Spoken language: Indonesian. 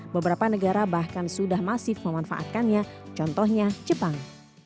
beberapa negara bahkan sudah masif memanfaatkannya contohnya jepang